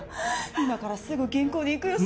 今からすぐ銀行に行くよ